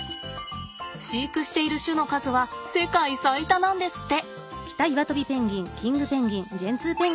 飼育している種の数は世界最多なんですって。